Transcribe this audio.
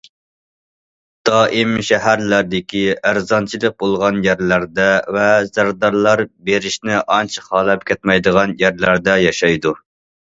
دائىم شەھەرلەردىكى ئەرزانچىلىق بولغان يەرلەردە ۋە زەردارلار بېرىشنى ئانچە خالاپ كەتمەيدىغان يەرلەردە ياشايدۇ.